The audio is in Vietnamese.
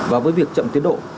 và với việc chậm tiến độ